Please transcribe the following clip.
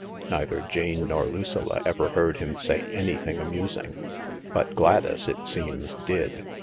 Neither Jane nor Lucilla ever heard him say anything amusing. But Gladys, it seems, did.